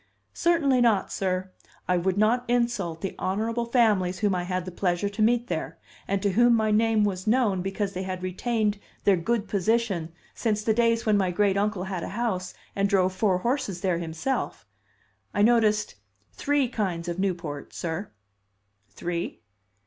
"Certainly not, sir! I would not insult the honorable families whom I had the pleasure to meet there, and to whom my name was known because they had retained their good position since the days when my great uncle had a house and drove four horses there himself. I noticed three kinds of Newport, sir." "Three?"